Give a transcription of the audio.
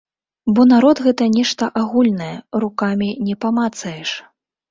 Бо народ гэта нешта агульнае, рукамі не памацаеш.